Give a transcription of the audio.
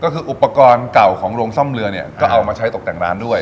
คืออุปกรณ์เก่าของโรงสร้ำเรือเอามาใช้กับตกแต่งร้านด้วย